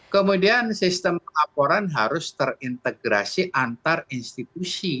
kemudian sistem laporan harus terintegrasi antar institusi